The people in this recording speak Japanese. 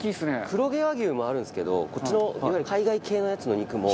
黒毛和牛もあるんですけどこっちのいわゆる海外系のやつの肉も。